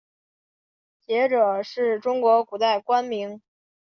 谒者是中国古代官名。